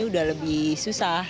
sudah lebih susah